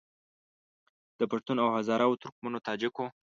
د پښتون او هزاره وو د ترکمنو د تاجکو